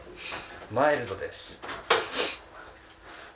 マイルドです。